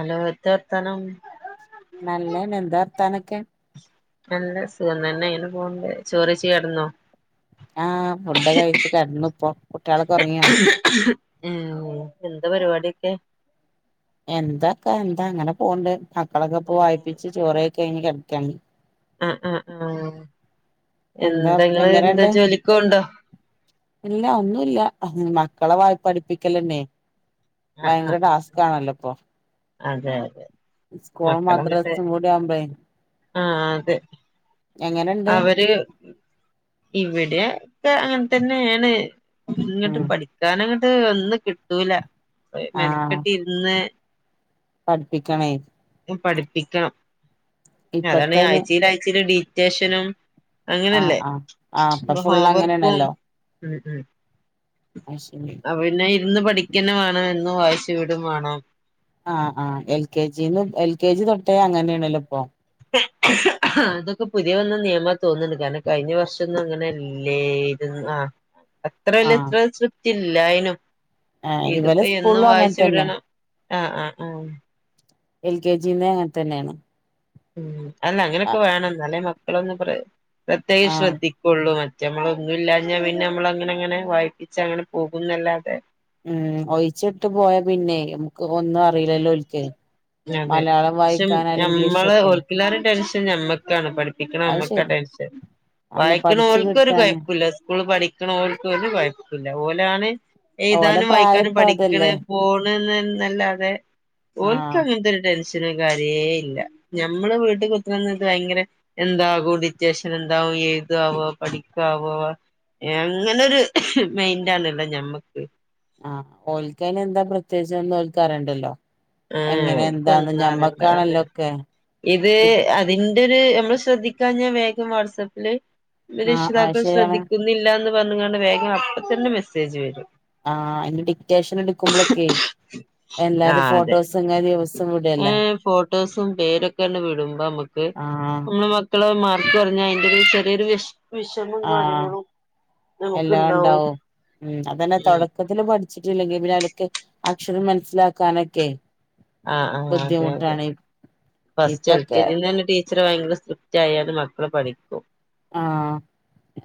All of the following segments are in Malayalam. ഹലോ എത്രർത്തനം നല്ലേ എന്താ അർത്താനൊക്കെ നല്ല സുഖംന്നെ ഇങ്ങനെ പോണ്ട് ചോറി ചെയ്യാടന്നോ ആഹ ഫുഡൊ കഴിച്ചിട്ട്ന്നു ഇപ്പൊ കുട്ടികളക്ക ഉറങ്ങിയ ഉം എന്ത പരിപാടൊക്കെ എന്തൊക്കെ എന്താ അങ്ങനെ പോവണ്ട് മക്കളൊക്കെ ഇപ്പ വായിപ്പിച്ച് ചോറൊക്കെ കഞ് കിടക്കി ഉം ഉം ഉം എന്താ എങ്ങനണ്ട് ഇല്ല ഒന്നുംല്ല മക്കള വായ്പ അടുപ്പിക്കലെന്നെ ആഹ് ആഹ് ഭയങ്കര ആഹ് ടാസ്കാണല്ലോപ്പൊ അതെ അതെ സ്കൂളും മദ്രസും കൂടി ആവുമ്പേ ആ അതെ അവര് ഇവിടെ ഒക്കെ അങ്ങനെ തന്നെയാണ് ഇങ്ങിട്ട് ഉം പഠിക്കാനങ്ങോട്ട് ഒന്നും കിട്ടൂല ആഹ് മെനക്കെട്ടി ഇരുന്ന് പഠിപ്പിക്കണേ പഠിപ്പിക്കാം അതാണ് ഇപ്പത്തന് ആഴ്ച്ചൽ ആഴച്ചൽ ഡിറ്റേഷനും ആഹ് അങ്ങനെയല്ലേ ആഹ് ആഹ് ഇപ്പൊ ഫുള്ള് അവർക്കും ഉ ഉ അ ശ എന്ന് പഠിക്കന്ന വേണം എന്നന്ന് വായിച്ചു വീടും വേണം ആഹ് മ അങ്ങനെയാണല്ലോ ഇപ്പം അതൊക്കെ പുതിയ വന്ന നിയമ തോന്നുന്നുണ്ട് കാരണം കഴിഞ്ഞ വർഷംഒന്നും അങ്ങനെല്ലേ ആ ആഹ് അത്രല്ലത്ര സൃപ്തി ഇല്ലായനും ആഹ് ഇവലെ ഇതിപ്പോ സ്കൂളിലും എന്നും അങ്ങനെ വായിച്ചു തന്നെ വിടണം ആഹ ആഹ് ആഹ എൽ കെ ജിന്ന് അങ്ങനെ തന്നെയാണ് ഉ അല്ല അങ്ങനെയൊക്കെ വേണം എന്നാലേ മക്കളൊന്നും പ്ര പ്രത്യേകം ആഹ് ശ്രദ്ധിക്കുള്ളൂ മറ്റ നമ്മളൊന്നും ഇല്ലാഞ്ഞാ പിന്നെ നമ്മളങ്ങനെ അങ്ങനെ വായിപ്പിച്ച അങ്ങനെ പോകുന്നല്ലാതെ ഉം ഒഴിച്ചിട്ട് പോയാ പിന്നെ നമുക്ക് ഒന്നും അറിയില്ലല്ലോ ഒലക്ക് അതെ പക്ഷെ നഞമ്മള് ഒക്കെ ഓക്കില്ലാരു ടെൻഷൻ ഞമ്മക്കാണ് പഠിപ്പിക്കണം അത് ശരി നമ്മക്കട്ട അന്നെ പഠിച്ചു വായിക്കുന്നവൾക്കും ഒരു കിട്ടാന് കൊയപ്പില്ല സ്കൂള് പഠിക്കുന്നവക്ക ഒരു വായില്ല അല്ല പോലെയാണ് ഓലെ എഴുതാനും പ്രായം വായിക്കാനും ഇപ്പ പഠിക്കണ് അതല്ലേ പോണ എന്നല്ലാതെ ആഹ ടെനഷനും കാര്യേ ഇല്ല നമ്മള് വീട്ട കുത്തി ഭയങ്കര എന്താകും ഡിറ്റൻ എന്താവു എഴുതാവോ പഠിക്കാവോ ങ്ങനെരു മൈൻഡണ്ല്ലേ ഞമ്മക്ക് ആ ഓൽക്കന് എന്താ പ്രത്യേകിച്ച്ന്നു ഓൽക്കാറണ്ടല്ലോ ആ കൊന്നാറുണ്ട് അതെ ഒക്കെ ഇത് അതിൻ മ്മള് ശ്രദ്ധിക്കാഞ്ഞ വേഗം വാട്സപ്പില് ആഹ് അത് രക്ഷിതാക്കും ശരിയാണ് ശ്രദ്ധിക്കുന്നില്ലന്ന് വന്നങ്ങണ്ട് വേഗം അപ്പ തന്നെ മെസ്സേജ് വരും ആ അയിന്റെ ഡിക്റ്റേഷൻ എടുക്കുമ്പോളൊക്കെ എല്ലാരും ഫോട്ടോസും കാര്യ ദിവസ ഏ ഫോട്ടോസും പേരൊക്കെ തന്നെ വിടുമ്പോ നമ്മുക്ക് ആഹ് നമ്മള് മക്കളെ മ മാക്ക് പറഞ്ഞ അതിന്റെ ഒരു ചെറിയരു വെഷ് ആ എല്ലാ നമുക്ക്ണ്ടാവും ഉണ്ടാവും ഉ അതന്നെ ഉം തുടക്കത്തില് പഠി ട്ടില്ലെങ്കിൽ പിന്നെ അലൊക്കെ അക്ഷരം മനസ്സിലാക്കാനൊക്കെ ആ ആഹ അതെ അതെ ബുദ്ധിമുട്ടാണ് ഫസ്റ്റ് എൽ ഇപ്പൊക്കെ കെ ജിന്ന് തന്നെ ടീച്ചർ ഭയങ്കര സൃ- റ്റായാലത് മക്കള പഠിക്കും ആ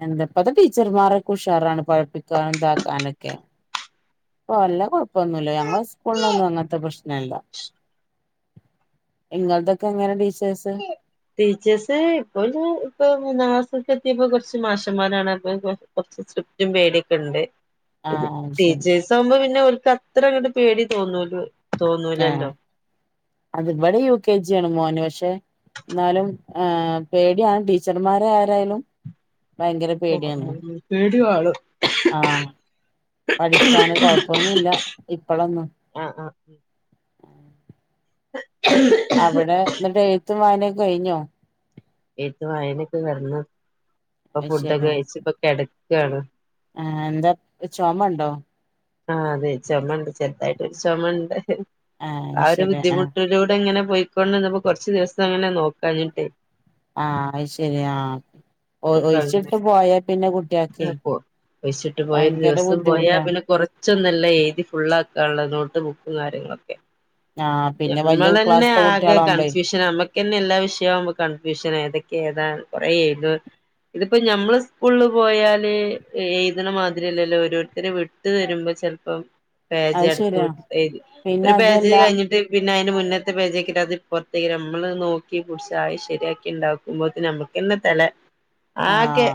എന്താപ്പത് ടീച്ചർമാരോക്കെ ഉഷാറാണ് പഠിപ്പിക്കാൻ ഇതാക്കാനൊക്കെ പ്പ ല്ല കുഴപ്പൊന്നുല്ല ഞങ്ങള് സ്കൂളൊന്നും അ ത്തെ പ്രശ്നല്ല്യ ഇങ്ങൾതൊക്കെ എങ്ങനെ ടീച്ച് ടീച്ചേയ്സ് ഇപ്പ ഇപ്പ മൂ എത്തിയപ്പോ കുറച്ച് മാഷന്മാരാണ് അപ്പൊക്കെ കൊറച്ച് സ്ട്രിക്റ്റും പേടിയൊക്കെ ണ്ട് ഇത് ആഹ് ശരി ടീച്ചേഴ്സ് ആവുമ്പോ പിന്നെ ഒക്ക് അത്ര ങ്ങട്ട് പേടി തോന്നല്ലൂ ആ അത്പടെ യൂ കെ ജി മോനു ക്ഷെ എന്നാലും ഏ പേടിയാണ് ടീച്ചർമാരെ ആരായാലും ഭയങ്കര പേടിണ് ആണ് പേടി ആഹ് പഠിക്കാന് വാണം കൊഴപ്പൊന്നുല്ല ഇപ്പളൊന്നും ആഹ് ആഹ് അവിടെ ന്നിട്ട് എഴുത്തുംവായാനൊക്കെ കഴിഞ്ഞോ എഴുത്തും വയനൊക്കെ കിടന്ന് അപ്പൊ അത് ഫുഡൊക്കെ ശരി കഴിച്ച ഇപ്പൊ കിടക്കണ് ആ എന്താ ചുമണ്ടോ അതായിട്ട രു ചുമമ ഉണ്ട് അത് ആ ഒരു ശരി ആ ബുദ്ധിമുട്ടിലൂടെ ഇങ്ങനെ പോയിക്കൊണ്ട്ന്നപ്പോ കൊറച്ച് ദിവസം ങ്ങനെ നോക്കാഞ്ഞിട്ടേ ആ അത് ശരി ആ ഒ ഇപ്പ അങ്ങനെ ഒഴിച്ചിടുത്ത് പോയ പിന്നെ കുട്ടിയ്ക്കെ ഴിച്ചിട്ട് പോയരു ദിവസം പോയാ പിന്നെ കൊറ കൊച്ചന്നല്ല എഴുതി ഫുള്ളക്കാനുള്ളത് നോട്ടബുക്കും കാര്യങ്ങളൊക്കെ ആ പിന്നെ വലിയ നഞമ്മൾന്നെ ക്ലാസ്സത്തെ ആകെ കുട്ടികളാവുമ്പളേ കൺഫ്യൂഷൻ നമ്മക്ക്ന്നെ എല്ലാ വിഷയവും കൺഫ്യൂഷൻ ഇടക്ക് ഏതാ കുറെ ഏതു ഇതിപ്പോ ഞമ്മള് സ്കൂളിൽ പോയാല് എഴുതണ മാതിരില്ലല്ലോ ഓരോരുത്തർ വിട്ട് തരു ചെൽപ്പം പേജ് അത് ശരിയാ അടുത്തുവിട്ട് എഴുതി പിന്നെ ഒരുപേജ് അതുമല്ല കയിഞ്ഞു പി പിന്നെ അതിന്റെ മുന്നത്തെ പേജക്കി അത്പ്പറത്തേക്ക് നമ്മള് നോക്കി കുടിച്ചായി ശരിയാക്കി ഉണ്ടാക്കുമ്പഴ നമുക്ക് എന്ന് തല ആ ആകെ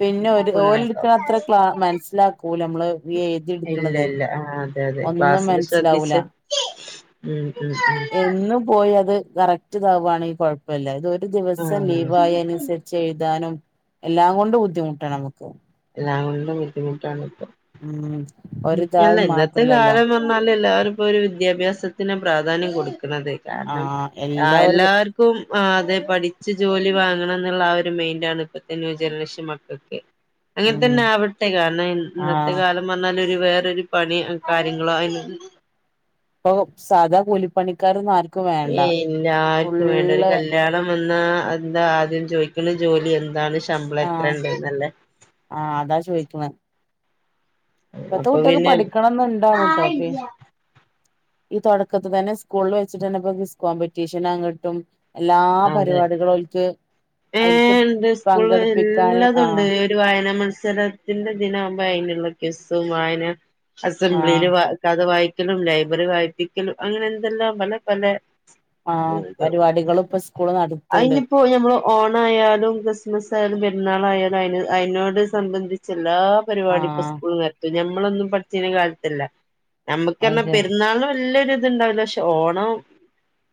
പിന്നെ ഒരു ഓല് പുണ്ണാക്കാവും എടുക്കണത്ര ക്ലാ മനസ്സിലാക്കൂ നമ്മള് ഈ എഴുതി ഇല്ല എടുക്കണത് ഇല്ല അ അതെ തെ ഒന്നും ക്ലാസ്സിൽ ശ്രദ്ധിച്ച് ഉം ഉം എന്ന് പോയി അത് കറക്റ്റ് ഇത് വാണെകിൽ കുഴപ്പില്ല ഇതൊരു ഒരു ഉം ആ ദിവസം ലീവായ അനുസരിച്ച് എഴുതാനും എല്ലാകൊണ്ട് ബുദ്ധിമുട്ടാണ് നമുക്ക് ഞാണ്ട് ബുദ്ധിമുട്ടാണ് ഇപ്പ ഉം ഒരിതായി അല്ല ഇന്നത്തെ മാത്രല്ലല്ലോ കാലം പറഞ്ഞാല് എല്ലാവരും ഇപ്പോ ഒരു വിദ്യാഭ്യാസത്തിന് പ്രാധാന്യം കൊടുക്കു ന്നത് കാരണം ആഹ് ആ എല്ലാ ഒരു എല്ലാർക്കും ആ അതെ പഠിച്ച് ജോലി വാങ്ങണം എന്നുള്ള ആ ഒരു മെയിന്റ ആണ് ഇപ്പത്തെ ന്യൂ ജനറേഷൻ മക്കൾക്ക് ഉം അങ്ങനെത്തന്നെ ആവട്ടെ കാരണം ഇന്ന ഇന്നത്തെ ആഹ് കാലം പറ ഒരു വേറൊരു പണി കാര്യങ്ങളോ അയി ഇപ്പൊ സാധാ കൂലിപ്പണിക്കാരന്ന്ർ ഏ എല്ലാർക്കും വേണ്ട ഒരു കല്യാണം വന്നാ എന്താ ആദ്യം ചോദിക്കുന്ന ജോലി എന്താണ് ശമ്പളം എത്ര ആഹ് ഉണ്ടാന്നല്ലേ ആഹ് അതാ ചോദിക്കണെ ഇപ്പത്തെ കുട്ടക്ക് പഠിക്കണംന്ന ഇണ്ടണ ട്ടോപ്പ ഈ തുടക്കത്തി തന്നെ സ്കൂളിൽ വെച്ചിട്ട് തന്നെപ്പൊ കിസ് കോമ്പറ്റീഷൻ അങ്ങിട്ടും എല്ലാ അതെ പരിപാടികളൾക്ക് ഏ ഉണ്ട് സ്കൂള് എല്ലാതുണ്ട് ആഹ് ഒരു വായനാ മ മത്സരത്തിന്റെ ദിന ആകുമ്പോ അതിനുള്ള കസ്സും വായന ആഹ് അസംബ്ലിയിയില് കഥ വായി ക്കലും ലൈബ്രറി വായിപിക്കലും അങ്ങനെ എന്തെല്ലാം പല പല ആഹ പരിപാടികൾ ഇപ്പ സ്കൂള് നടത്ത്ണ്ട് അതിനിപ്പോ ഞമ്മള് ഓണയാലും ക്രിസ്മസ് ആയ ത് പെരുന്നാളായാലും അന് അതിനോട് സംബന്ധിച്ച് എല്ലാ പരിപാടി ഇപ്പ ആഹ് സ്കൂള നടത്ത ഞമ്മളൊന്നും പച്ചന കാലത്ത്ല്ല നമ്മുക്ക് അത് ശരി പെരുന്നാള് പ നല്ല ഇത്ണ്ടാവില്ല പക്ഷെ ഓണം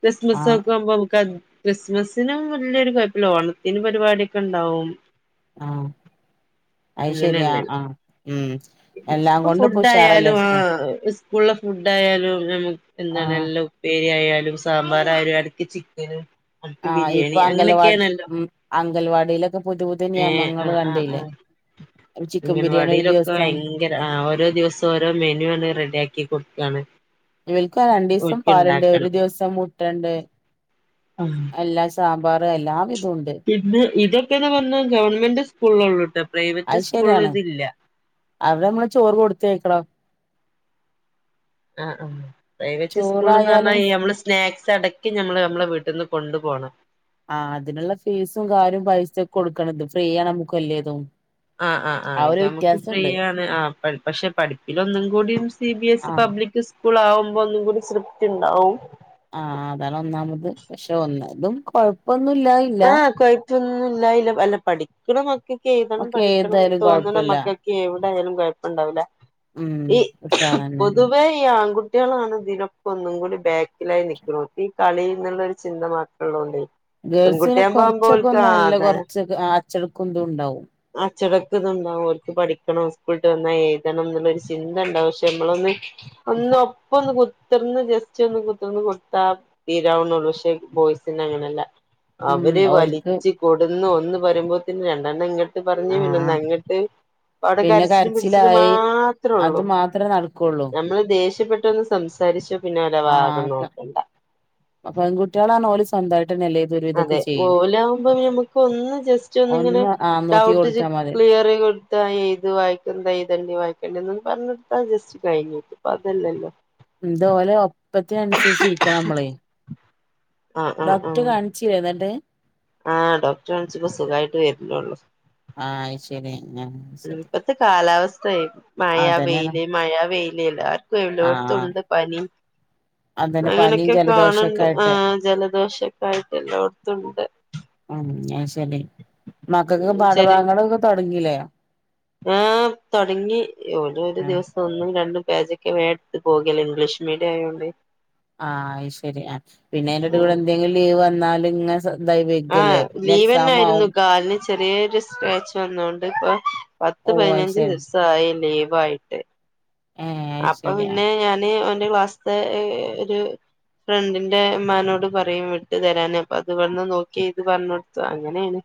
ക്രിസ്മസ് ആഹ് ഒക്കെ ആുമ്പോ നമുക്ക് ക്രിസ്മസിനും വലിയൊരു ഇപ്പ ലഓണത്തിന് പരിപാടൊക്കെ ഉണ്ടാവും ആഹ അത് ശരിയാ അങ്ങനെയല്ലേ ആഹ് ഉം എല്ലാം ഇപ്പൊ കൊണ്ടും ഫുഡ ഉഷാറല്ലേ ആയാലും ആ സ്കൂൾ സ്കൂളിലെ ഫുഡ് ആയാലും നമുക്ക് എന്താണ് ആഹ് എല്ലാം ഉപയോഗിക്ക ആയാലും സാമ്പാ ആയാലും ഇടക്ക് ചിക്കനും ഇടക്ക് ആഹ ബിരിയാണി ഇപ്പൊ അംഗൽവാടി അങ്ങനെയൊക്കെയാണല്ലോ ഉ അംഗൽവാടിയിലൊക്കെ പുതിയ പുതിയ ഏ നിയമങ്ങൾ ആ ആ ആ കണ്ടല്ലേ ഒരു ചിക്കൻ ബിരിയാണി ഒരു അംഗൻവാടിയിലൊക്കെ ദിവസം ഭയങ്കര ആ ഓരോ ദിവസം ഓരോ മെനു ഒണ് റെഡിയ ആാക്കി കൊടുക്കയാണ് ഇവൾക്ക് രണ്ടു ദിവസം പാലണ്ട് ഒരു ദിവസം മുട്ടണ്ട് ആ എല്ലാ സാമ്പാറ് എല്ലാവിധം ഉണ്ട് ഇത് ഇതൊക്കെന്ന പറഞ്ഞ ഗവൺമെന്റ് ഫുള്ളള്ളുട്ട അത് ശരിയാണ് അവിടെ നമ്മള് ചോറ് കൊടുത്തയക്കളോ ആ ആ പ്രൈവറ്റ് സ്കൂൾന്ന് പറഞ്ഞാ ചോറായാലും നമ്മള് സ്നാക്സ്ടക്കി മ്മള് നമ്മളെ വീട്ടിൽന്ന് കൊണ്ടു പോണം ആ അതിനുള്ള ഫീസും കാര്യം പൈസ ഒക്കെ കൊടുക്കണത് ഫ്രീയണ് നമ്മുക്ക് വലേതും ആഹ ആ് ആ് ഇത് നമുക്ക് ഫ്രീയണ് ആ പക്ഷെ പഠിപ്പിലൊന്നും കൂടി സി ബി എസ് ഇ ആഹ് പബ്ലിക് സ്കൂൾ ആകുമ്പോ ഒന്നും കൂടി സ്രിപ്റ്റ് ഉണ്ടാവും ആഹ് അതാണ് ഒന്നാമത് പക്ഷെ ഒന്ന് ഇതും കൊഴപ്പൊന്നുംല്ല ഇല്ല മറ്റൊന്നുംല്ലായില്ല അല്ല പഠിക്കണം മക്കൊക്കെ എഴതണം ഒക്കെ പഠിക്കണംന്ന് ഏതായാലും തോന്നണം കൊഴപ്പല്ല മക്കൊക്കെ എണം ാലും കുഴപ്പുണ്ടാവില്ല ഉം ഈ ഉഷാറന്നെയാണ് പൊതുവേ ഈ ആൺകുട്ടി കുട്ടികളാണ് ഇതിനൊപ്പ ഒന്നും കൂടി ബാക്കിലായി നക്കണ ഈ കളി എന്നുള്ളരു ചിന്ത മാത്രമ ഉള്ളത കൊണ്ട ഗേൾസിനെ കൊറച്ചൊക്കെ ഒന്ന് നല്ല കൊറച്ചക്കെ ആച്ചെടുക്കുംന്തും ഉണ്ടാവും ണ്ടാവും അവർക്ക് പഠിക്കണം സ്കൂള വന്നാൽ എഴുതണം എന്നുള്ളരു ചിന്ത ഉണ്ടാവും പക്ഷെ നമ്മളൊന്ന് ഒന്ന് അപ്പൊന്ന് കു കുത്തിർന്ന് ജസ്റ്റ് ഒന്ന് കുത്തിർന്ന് കൊടുത്താ തീരാവുന്നുള്ളൂ പക്ഷെ ബോയ്സിനങ്ങനെയല്ല ഉം അവര് ഓൽക്ക് വലിച്ചു കൊടുന്ന് ഒന്ന് പറരുമ്പോത്തന്നന് രണ്ടെണ്ണം ഇട്ട ട്ട് പറഞ്ഞ ആഹ് പിന്നെങ്ങിട്ട് അവിടെ പിന്നെ കരച്ചിനും പിടിച്ചിനും കരച്ചിലായി മാത്രേ അത് ഉള്ളൂ മാത്രേ നടക്കുള്ളൂ നമ്മള് ദേഷ്യപ്പെട്ട ഒന്ന് സംസാരിച്ച പിന്നെര ഭാഗം ആഹ് നോക്കണ്ട പെൺകുട്ടികളാണ് ഓല് സ്വന്തമായിട്ടന്നെല്ലേ ഇതൊരു അതെ ഇതൊക്കെ ചെയ്യും ഓലകുമ്പോ ഞമുക്ക് ഒന്ന് ജസ്റ്റ് ഒന്നിങ്ങനെ ഒന്ന് ആഹ് നോക്കി ഡൗട്ട് കൊടുത്താ മതി ക്ലിയർ കൊടുത്ത ഏത് വായിക്കുന്നത് ഏതണ്ടേ വായിക്കണ്ട പറഞ്ഞിടുത്താ ജസ്റ്റ് കഴിഞ്ഞിട്ട്പ്പ അതല്ലല്ലോ എന്തപോലെ ഒപ്പത്തിന അനുസരിച്ചിരിക്കണം നമ്മളെ ഡോക്ടർ കാണിച്ചു വുന്നട്ട് ആഹ ഡോക്ടർണിച്ചിപ്പോ സുഖമായിട്ട് വരില്ലോള്ളു ആഹ ശരി ആ ശരി ഇപ്പത്തെ കാലാവസ്ഥ മഴ അതന്നെയാണ് വെയില മഴ വെൽ എല്ലാർക്കും എല്ലോ ടത്തും ആഹ് ഉണ്ട് പനി അതന്നെ പനിയും അങ്ങനൊക്കെ ജലദോഷൊക്കെ കാണണ്ട് ആ ആയിട്ട് ജലദോഷൊക്കെ ആയിട്ട് എല്ലായിടത്തും ഉണ്ട് ഉ ശരി മക്കൾക്കൊക്കെ പാഠഭാഗങ്ങളൊക്കെ തുടങ്ങലോ ആ തുടങ്ങി ഓ ഒരു ആഹ് ദിവസം ഒന്നും രണ്ടും പേജ വേടുത്ത് പോകല്ലോ ഇംഗ്ലീഷ് മീഡിയം ആയോണ്ട് ആഹ് ശരി ആ പിന്നെ എന്റെ അടി ഉം കൂടെ എന്തെങ്കിലും ലീവ് വന്നാലും ഇ ആഹ് ലീവന്നൊയിരുന്നു കാല ചെറിയൊരു സ്ക്രാച്ച് വന്നോണ്ട് ഇപ്പൊ പത്ത് ഓഹ് പതിനഞ്ച് അയ്ശരി ദിവസയല്ലേ യിട്ട് ഏഹ് അപ്പൊ അയ്ശരി ആഹ് പിന്നെ ഞാന് ഓന്റെ ക്ലാസ്ത്തെ ഒരു ഫ്രണ്ടിന്റെമ്മാനോട് പറയും വിടുട്ട തരാന അപ്പൊ അത് വന്ന് നോക്കി ഇത് പറഞ്ഞ കൊടുത്തു അങ്ങനെയാണ്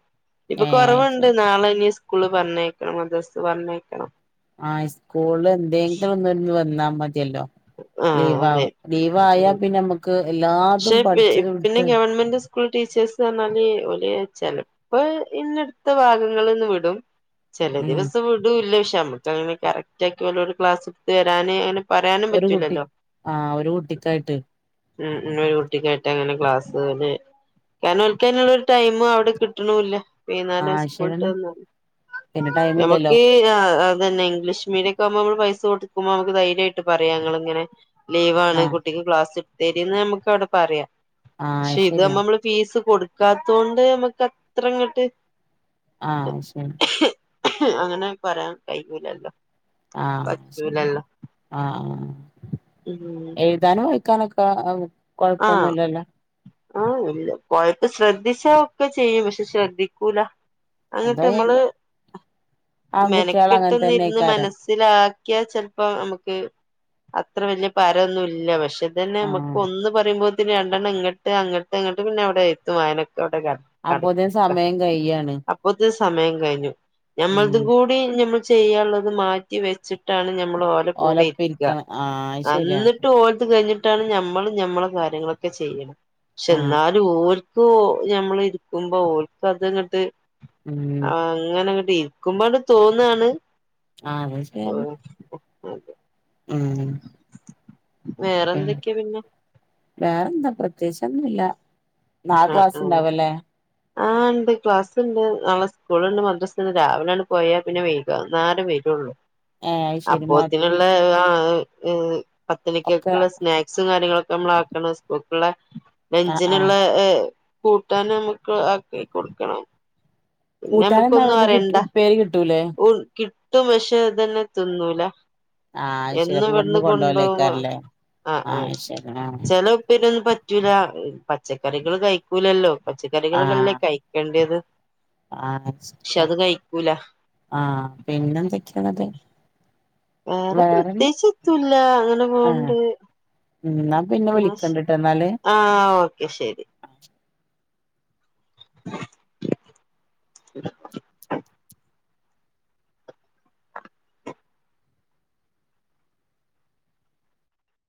ഇപ്പൊ ഏഹ് കുറവുണ്ട് അയ്ശരി നാളെ ഇനി സ്കൂള് പറഞ്ഞേക്കണം മദ്രസ് പറഞ്ഞേക്കണം ആഹ സ്കൂള് എന്തെങ്കിലും ഒന്ന വന്നാ മതി ല്ല ആഹ് ലവ അതെ ലീവായ പിന്നെ നമ്മക്ക് എല്ല പക്ഷെ പിന്നെ ഗവൺമെന്റ് സ്ക സ്കൂൾ ടീച്ചേഴസ് പറഞ്ഞാല് വലിയ ചില ഇപ്പ ഇന്ന അടുത്ത ഭാഗങ്ങളന്ന് വിടും ചില ഉം ദിവസം വിടൂല്ല പക്ഷെ നമ്മക്ക് അങ്ങനെ കറക്റ്റ് ആക്കി പോലട് ക്ലാസ് എടുത്ത് വരാന് അങ്ങന പറയാനും ഒരു കുട്ടി പറ്റൂലല്ലോ ആഹ് ഒരു കുട്ടിക്കായിട്ട് ഇ ഒരു കുട്ടിക്കായിട്ട് അങ്ങനെ ക്ലാസ്സുകളിൽ കാരണംൽക്കരുള്ള ഒരു ടൈമ അവിടെ കിട്ടണില്ല വന്നാലം ആഹ് സ്കൂളട്ട് ശരിയെന്നെ തന്ന പിന്നെ ടൈം ഇല്ലല്ലോ നമുക്ക് അത്തന്നെ ഇംഗ്ലീഷ് മീഡിയക്കെ ആവുമ്പോ നമ്മ പൈസ കൊടുക്കുമ്പോ നമുക്ക് ധൈര്യമായിട്ട് പറയാ ഇങ്ങനെ ലീവാണ് ആഹ് കുട്ടിക്ക് ക്ലാസ് എടുത്ത് തരു പറയാം ആഹ് പക്ഷെ അത് ഇത് ശരിയാ നമ്മള് ഫീസ് കൊ ക്കാത്തൊണ്ട് നമ്മക്ക് അത്ര ഇങ്ങട്ട് ആഹ ശരി അങ്ങനെ പറയാൻ കഴിയുലല്ലോ ആഹ ആഹ എഴുതാനോ കനക്ക ആ ആഹ ആ കുഴപ്പ ശ്രദ്ധ ദിച്ച ഒക്കെ ചെയ്യും പക്ഷെ ശ്രദ്ധിക്കൂല അങ്ങിട്ട് അതോ ഈ നമ്മള് ആൺകുട്ടികൾ അങ്ങനെ മെനക്കെട്ടുന്ന ഇരുന്ന് തന്നെക്കാരം മനസ്സിലാക്ക ചപ്പോ നമുക്ക് അത്ര വലിയ പരൊന്നും ഇല്ല പക്ഷെ ഇത് തന്നെ നമുക്ക് ആഹ് ഒന്ന രണ്ടെണ് ഇങ്ങട്ട് അങ്ങട്ട് അങ്ങട്ട് പിന്നെ അവിടെ എത്തും വയനക്കെ അപ്പോത്തിന് ട സമയം കയ്യാണ് അപ്പൊ സമയം കഴിഞ്ഞു നഞമ്മളത് ഉം കൂടി നഞമ്മൾ ചെയ്യാനുള്ളത് മാറ്റി വെച്ചിട്ട് നഞമ്മൾ ഓല കൂടെ ഓലൊപ്പം ഇരിക്ക ഇരിക്കണം ആഹ് അത് ശരിയാ എന്നിട്ട് ഓലത്ത് കഴിഞ്ഞിട്ടാണ് നമ്മൾ നമ്മള കാര്യങ്ങളൊക്കെ ചെയ്യണം പക്ഷെ ആഹ് എന്നാലും ഞമ്മൾ ഇരിക്കുമ്പോ ഓക്ക അതങ്ങട്ട് ഉം അങ്ങനെ ഇരിക്കുമ്പോട് തോന്നാണ് ആഹ അതെ ശരില്ല അതെ വേറെന്തൊക്കെയാ പിന്നെ വേറെന്താ പ്രത്യശ ഒന്നുമല്ല നാളെ ക്ലാസ് ഉണ്ടാവല്ലേ ആഹ ഉണ്ട് ക്ലാസ് ഉണ്ട് നാളെ സ്കൂളുണ്ട് മദ്രസ്ണ്ട് രാവിലെണ് പോയാ പിന്നെ വയ്ക്കു നേരം വരുള്ളൂ ഏഹ് അത് ശരി മോ അപ്പോത്തിനുള്ള ആ ഒക്കെ പത്തണിക്കൊക്കെയുള്ള സ്നാക്സും കാര്യങ്ങളൊക്കെ നമ്മൾ ആക്കണം സ്കൂക്കുള്ള ആഹ് ആഹ് നെഞ്ചിനുള്ള ഏർ കൂട്ടാൻ നമ്മുക്ക് ആക്കി കൊടുക്കണം പിന്നെ നമ്മുക്ക് കൂട്ടാനെന്താ ഒന്നും അവിടുന്ന് കിട്ട അറണ്ട ഉപ്പേരി കിട്ടൂലേ ഉ കിട്ടും പക്ഷെ അതനെ തിന്നൂല ആഹ് അയ്ശരി എന്നന്ന് അപ്പൊ ഇവിടുന്ന് കൊണ്ടോ കൊണ്ടോവലേക്കാരല്ലേ ആഹ് ആഹ ശരി ആഹ് ചെലവപരന്ന് പ പറ്റൂല പച്ചക്കറികള് കഴിക്കൂലല്ലോ പച്ചക്കറികള് അല്ലേ കഴിക്കേണ്ടത് പക്ഷെ വാങ്ങിച്ചില അത് കഴിക്കൂല ആ പിന്നെ എന്തെക്കണത് വേറെ പ്രത്യേകിച്ച് ഒത്തൂല്ല അങ്ങനെ ആഹ് പോവണ്ട് എന്നാ പിന്നെ എന്നാ ശെ വിളിക്കണ്ട്ട്ടോ എന്നാല് ആ ഓക്കെ ശരി [unintelligible]